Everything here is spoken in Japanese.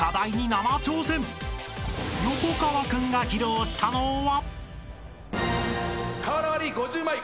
［横川君が披露したのは］